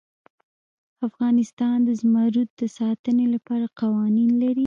افغانستان د زمرد د ساتنې لپاره قوانین لري.